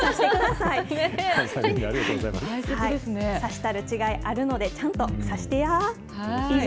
さしたる違いあるので、ちゃんと差してや。